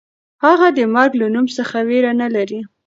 هغه د مرګ له نوم څخه وېره نه لري.